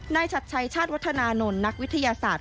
ชัดชัยชาติวัฒนานนท์นักวิทยาศาสตร์